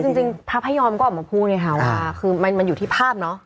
คือจริงจริงพระพเยอมมันก็ออกมาพูดนะคะมันอยู่ที่ภาพเนอะ